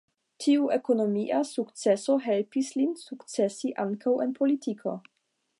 Tiu ekonomia sukceso helpis lin sukcesi ankaŭ en politiko.